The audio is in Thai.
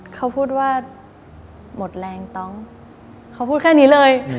เขาพูดว่าหมดแรงต้องเขาพูดแค่นี้เลย